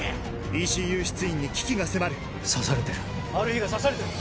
ＥＣＵ室員に危機が迫る刺されてるマルヒが刺されてる。